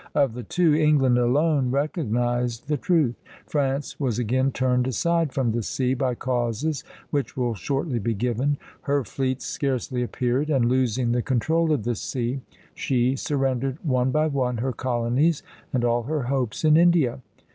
Of the two, England alone recognized the truth; France was again turned aside from the sea by causes which will shortly be given. Her fleets scarcely appeared; and losing the control of the sea, she surrendered one by one her colonies and all her hopes in India.